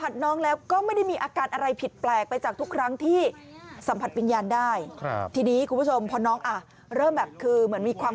แต่ปรากฏว่านิ่งเลยนะ